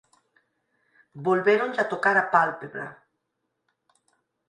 Volvéronlle a tocar a pálpebra.